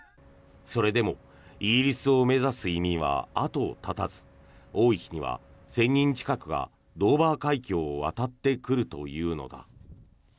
それでも、イギリスを目指す移民は後を絶たず多い日には１０００人近くがドーバー海峡を渡ってくるというのだ。